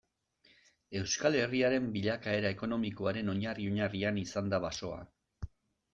Euskal Herriaren bilakaera ekonomikoaren oinarri-oinarrian izan da basoa.